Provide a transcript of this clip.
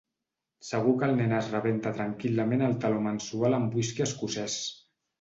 Segur que el nen es rebenta tranquil·lament el taló mensual en whisky escocès.